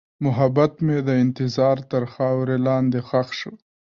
محبت مې د انتظار تر خاورې لاندې ښخ شو.